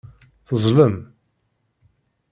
Teẓẓlem.